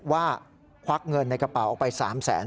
ควักเงินในกระเป๋าออกไป๓แสน